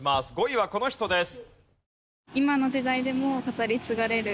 ５位はこの人です。